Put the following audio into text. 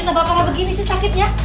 kenapa juta bapaknya begini sih sakitnya